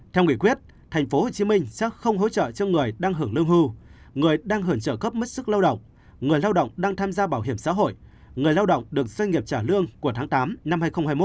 theo nghị quyết tp hcm sẽ không hỗ trợ cho người đang hưởng lương hưu người đang hưởng trợ cấp mất sức lao động người lao động đang tham gia bảo hiểm xã hội người lao động được doanh nghiệp trả lương của tháng tám năm hai nghìn hai mươi một